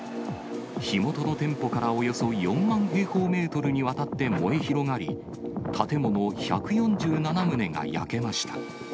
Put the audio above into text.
火元の店舗からおよそ４万平方メートルにわたって燃え広がり、建物１４７棟が焼けました。